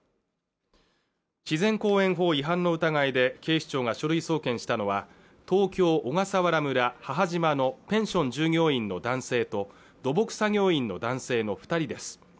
自然公園法違反の疑いで警視庁が書類送検したのは東京・小笠原村母島のペンション従業員の男性と土木作業員の男性の二人です